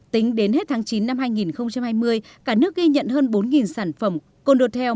tính đến hết tháng chín năm hai nghìn hai mươi cả nước ghi nhận hơn bốn sản phẩm cô đồ tèo